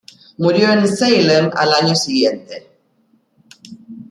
Murió en Salem al año siguiente.